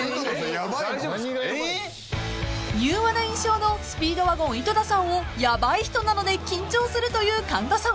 ［柔和な印象のスピードワゴン井戸田さんをヤバい人なので緊張するという神田さん］